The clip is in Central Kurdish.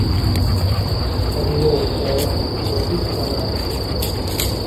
قریوە و داوەت و چۆپی و سەمایە